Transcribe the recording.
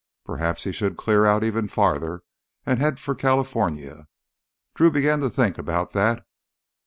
Perhaps he should clear out even farther and head for California. Drew began to think about that.